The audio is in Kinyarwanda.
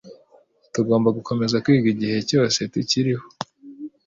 Tugomba gukomeza kwiga igihe cyose tukiriho.